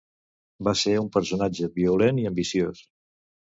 Va ser un personatge violent i ambiciós.